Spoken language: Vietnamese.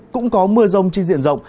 cũng có mưa rông trên diện rộng